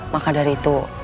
maka dari itu